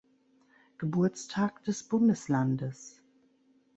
Geburtstag des Bundeslandes.